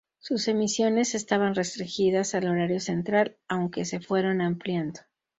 Sus emisiones estaban restringidas al horario central, aunque se fueron ampliando.